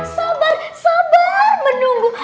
sabar sabar menunggu